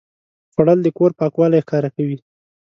خوړل د کور پاکوالی ښکاره کوي